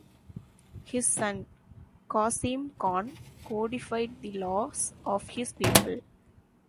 His son, Kasym Khan codified the laws of his people.